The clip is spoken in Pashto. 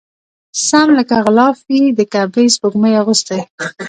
سم لکه غلاف وي د کعبې سپوږمۍ اغوستی